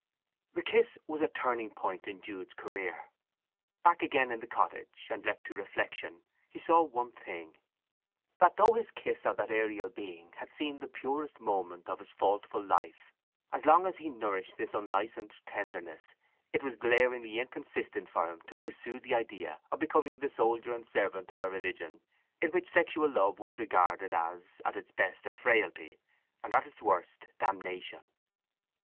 The kiss was a turning point in Jude's career. Back again in the cottage, and left to reflection, he saw one thing: that though his kiss of that aerial being had seemed the purest moment of his faultful life, as long as he nourished this unlicensed tenderness it was glaringly inconsistent for him to pursue the idea of becoming the soldier and servant of a religion in which sexual love was regarded as at its best a frailty, and at its worst damnation.